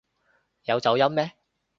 有走音咩？